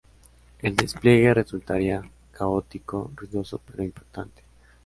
El despliegue resultaría caótico, ruidoso pero impactante.